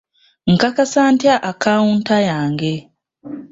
Nkakasa ntya akawunta yange?